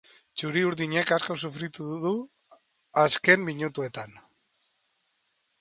Txuri-urdinek asko sufritu du azken minutuetan.